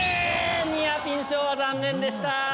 ニアピン賞は残念でした。